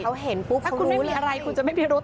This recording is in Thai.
เขาเห็นปุ๊บเขารู้เลยพี่ถ้าคุณไม่มีอะไรคุณจะไม่มีพิรุธ